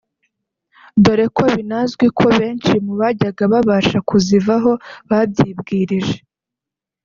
dore ko binazwi ko benshi mu bajya babasha kuzivaho babyibwirije